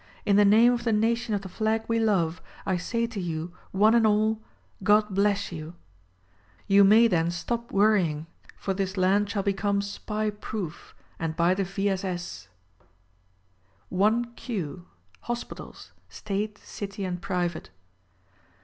In the name of the nation of the flag we love, I say to you, one and all : God bless you ! You may then stop worrying; for this land shall become Spy proof, and by the V. S. S. ! IQ. Hospitals — State, City and Private.